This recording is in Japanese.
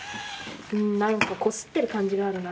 何かこすってる感じがあるな